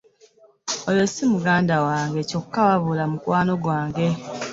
Oyo si muganda wange kyokka wabula mukwano gwange.